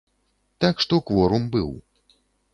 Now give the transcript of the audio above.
Так што кворум быў.